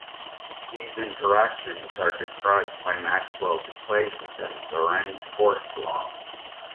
These interactions are described by Maxwell's equations and the Lorentz force law.